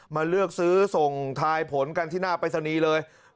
มาเลือกซื้อส่งทายผลกันที่หน้าปริศนีย์เลย